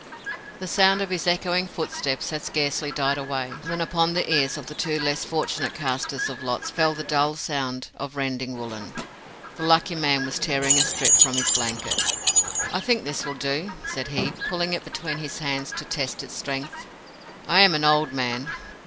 The sound of his echoing footsteps had scarcely died away, when upon the ears of the two less fortunate casters of lots fell the dull sound of rending woollen. The lucky man was tearing a strip from his blanket. "I think this will do," said he, pulling it between his hands to test its strength. "I am an old man."